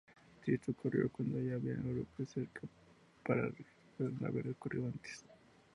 Si esto ocurrió cuando había europeos cerca para dejar registros, puede haber ocurrido antes.